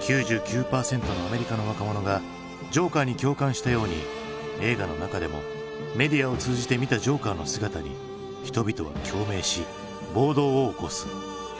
９９％のアメリカの若者がジョーカーに共感したように映画の中でもメディアを通じて見たジョーカーの姿に人々は共鳴し暴動を起こす。